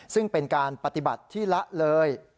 ซึ่งเป็นการปฏิบัติที่ละเลย